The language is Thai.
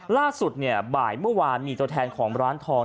ล่าสุดเนี่ยบ่ายเมื่อวานมีตัวแทนของร้านทอง